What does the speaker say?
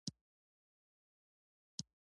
ادبي استعداد باید وپالل سي.